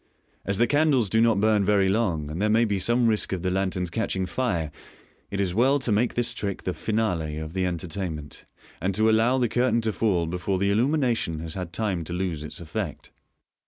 As the candles do not burn very long, and there may be some risk of the lanterns catching fire, it is well to make thistricK the finale of the entertainment, and to allow the curtain to fall before the illumi nation has had time to lose its effect.